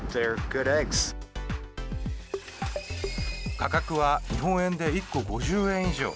価格は日本円で１個５０円以上。